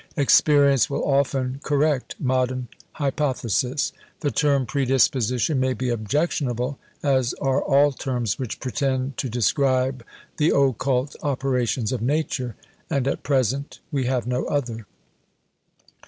Experience will often correct modern hypothesis. The term "predisposition" may be objectionable, as are all terms which pretend to describe the occult operations of Nature and at present we have no other.